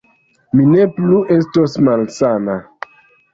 Mi ne plu estos malsana